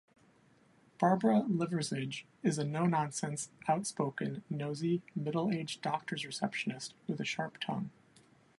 Barbara Liversidge is a no-nonsense, outspoken, nosey, middle-aged doctor's receptionist with a sharp tongue.